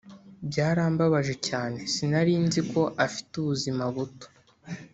byarambabaje cyane sinarinziko afite ubuzima buto